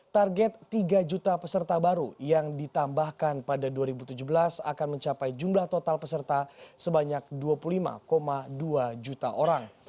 target tiga juta peserta baru yang ditambahkan pada dua ribu tujuh belas akan mencapai jumlah total peserta sebanyak dua puluh lima dua juta orang